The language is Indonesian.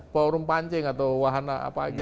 forum pancing atau wahana apa aja